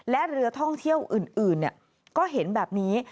และเรือท่องเที่ยวอื่นก็เห็นแบบนี้